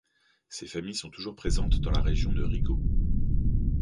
Ces familles sont toujours présentes dans la région de Rigaud.